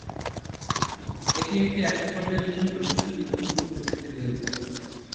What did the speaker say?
এটি একটি একক পর্যায়ে নির্মিত বিশ্বের দীর্ঘতম উচ্চ গতির রেলপথ।